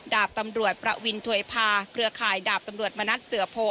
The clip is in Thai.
ดาบตำรวจประวินถวยพาเครือข่ายดาบตำรวจมณัฐเสือโพ